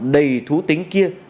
đầy thú tính kia